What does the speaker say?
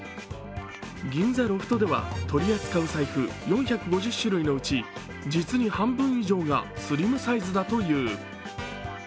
銀座ロフトでは取り扱う財布４５０種類のうち実に半分以上がスリムサイズだという。